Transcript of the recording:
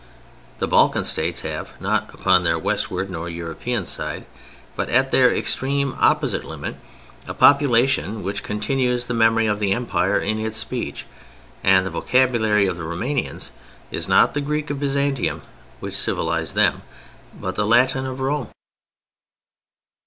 The Balkan States have, not upon their westward or European side, but at their extreme opposite limit, a population which continues the memory of the Empire in its speech; and the vocabulary of the Rumanians is not the Greek of Byzantium, which civilized them, but the Latin of Rome!